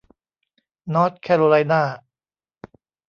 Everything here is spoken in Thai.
นอร์ทแคโรไลนา